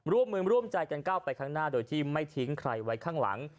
ร่วมมือร่วมใจกันก้าวไปข้างหน้าโดยที่ไม่ทิ้งใครไว้ข้างหลัง